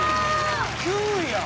９位やん！